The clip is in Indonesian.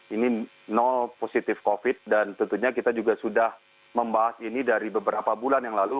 ini nol positif covid dan tentunya kita juga sudah membahas ini dari beberapa bulan yang lalu